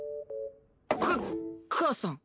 か母さん。